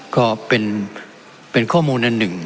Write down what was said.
ก็เป็นเป็นข้อมูลนั้นหนึ่ง